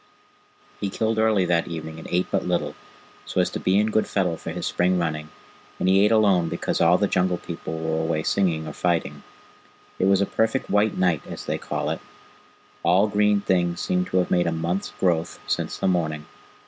He killed early that evening and ate but little, so as to be in good fettle for his spring running, and he ate alone because all the Jungle People were away singing or fighting. It was a perfect white night, as they call it. All green things seemed to have made a month's growth since the morning.